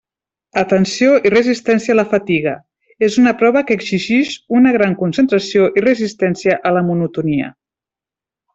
Atenció i resistència a la fatiga: és una prova que exigix una gran concentració i resistència a la monotonia.